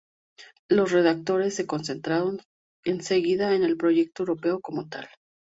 Los redactores se concentraron enseguida en el proyecto europeo como tal.